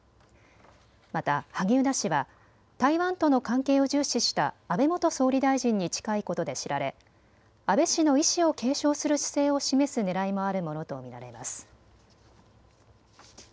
また萩生田氏は台湾との関係を重視した安倍元総理大臣に近いことで知られ安倍氏の遺志を継承する姿勢を示すねらいもあるものと見られます。